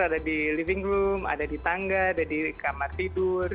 ada di living room ada di tangga ada di kamar tidur